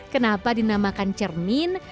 kenapa dinamakan cermin